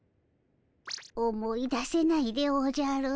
思い出せないでおじゃる。